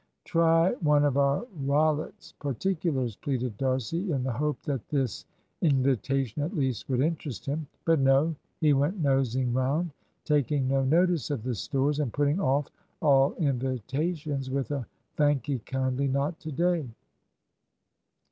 "Try one of our `Rollitt's particular,'" pleaded D'Arcy, in the hope that this invitation at least would interest him. But no. He went "nosing round," taking no notice of the stores, and putting off all invitations with a "Thank'ee kindly, not to day."